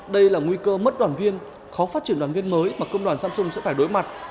đây là nguy cơ mất đoàn viên khó phát triển đoàn viên mới mà công đoàn samsung sẽ phải đối mặt